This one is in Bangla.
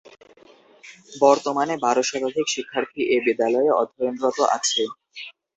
বর্তমানে বার শতাধিক শিক্ষার্থী এ বিদ্যালয়ে অধ্যয়নরত আছে।